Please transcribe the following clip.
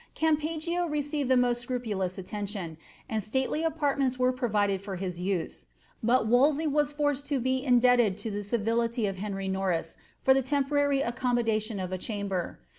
CWupeggio received the most scrupulous atieniioa, and stalely apart Ofiita were provided for his use ; but Wolsey was forced to bo indebted to thf> civiliiy of Henry Norris for the temporary accommodation of a ditoiber.